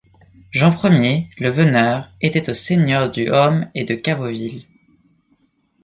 Jean I le Veneur était au seigneur du Homme et de Cavoville.